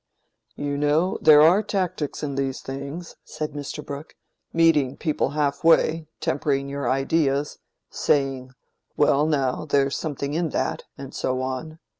"You know there are tactics in these things," said Mr. Brooke; "meeting people half way—tempering your ideas—saying, 'Well now, there's something in that,' and so on.